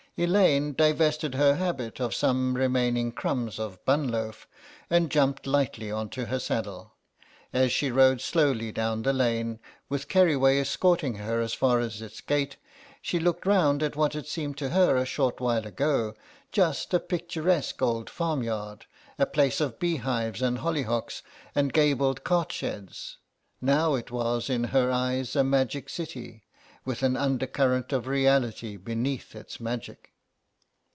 Elaine divested her habit of some remaining crumbs of bun loaf and jumped lightly on to her saddle. As she rode slowly down the lane, with Keriway escorting her as far as its gate, she looked round at what had seemed to her, a short while ago, just a picturesque old farmstead, a place of bee hives and hollyhocks and gabled cart sheds; now it was in her eyes a magic city, with an undercurrent of reality beneath its magic.